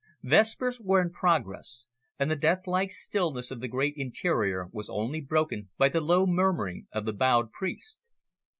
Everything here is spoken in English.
Vespers were in progress, and the deathlike stillness of the great interior was only broken by the low murmuring of the bowed priest.